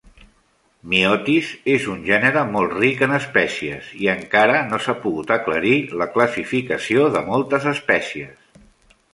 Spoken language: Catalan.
"Myotis" és un gènere molt ric en espècies, i encara no s'ha pogut aclarir la classificació de moltes espècies.